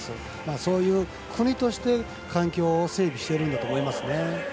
そういう国として環境を整備してるんだと思いますね。